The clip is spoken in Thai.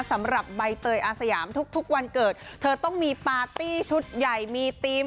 สำหรับใบเตยอาสยามทุกวันเกิดเธอต้องมีปาร์ตี้ชุดใหญ่มีธีม